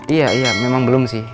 iya iya memang belum sih